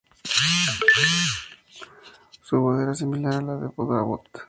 Su voz era similar a la de Bud Abbott.